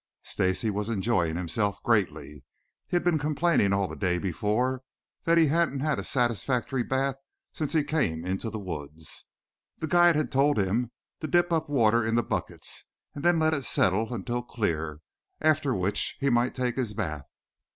Stacy was enjoying himself greatly. He had been complaining all the day before that he hadn't had a satisfactory bath since he came into the woods. The guide had told him to dip up water in the buckets, then let it settle until clear, after which he might take his bath.